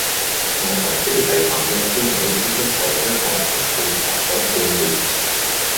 我同小提琴嘅孫老師一齊將樂曲練習咗半年